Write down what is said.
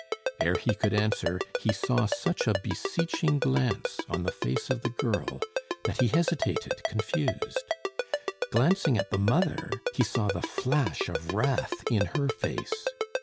Ere he could answer, he saw such a beseeching glance on the face of the girl, that he hesitated, confused. Glancing at the mother, he saw the flash of wrath in her face.